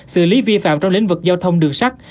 xử lý vi phạm trong lĩnh vực giao thông đường sắt